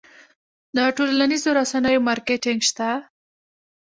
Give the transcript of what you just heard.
د ټولنیزو رسنیو مارکیټینګ شته؟